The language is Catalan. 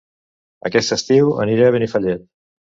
Aquest estiu aniré a Benifallet